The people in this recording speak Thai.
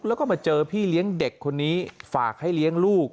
แล้วก็มาเจอพี่เลี้ยงเด็กคนนี้ฝากให้เลี้ยงลูก